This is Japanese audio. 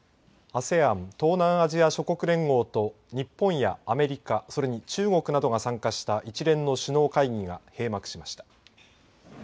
ＡＳＥＡＮ＝東南アジア諸国連合と日本やアメリカそれに中国などが参加した一連の首脳会議が閉幕しました。